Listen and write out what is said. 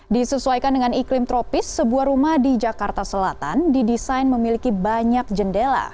disesuaikan dengan iklim tropis sebuah rumah di jakarta selatan didesain memiliki banyak jendela